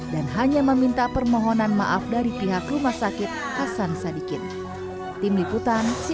dan hanya meminta permohonan maaf dari pihak rumah sakit hasan sadikit